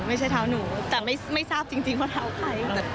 ไม่ใช่เท้าหนูแต่ไม่ทราบจริงว่าเท้าใคร